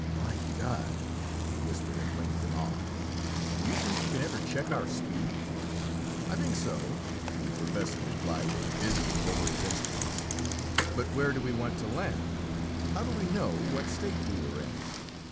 "My God!" he whispered at length in awe. "Do you think you can ever check our speed?" "I think so," the professor replied, busy over his instruments. "But where do we want to land? How do we know what state we were in?"